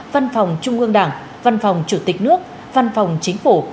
văn phòng trung ương đảng văn phòng chủ tịch nước văn phòng chính phủ